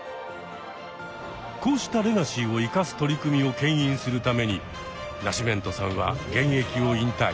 こうしたレガシーを生かす取り組みをけん引するためにナシメントさんは現役を引退。